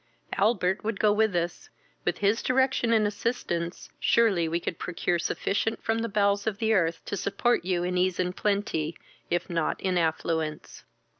Albert would go with us: with his direction and assistance, surely we could procure sufficient from the bowels of the earth to support you in ease and plenty, if not in affluence."